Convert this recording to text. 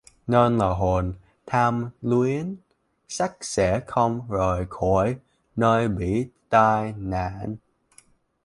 nên là hồn tham luyến xác sẽ không rời khỏi nơi bị tai nạn